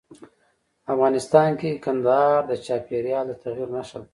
افغانستان کې کندهار د چاپېریال د تغیر نښه ده.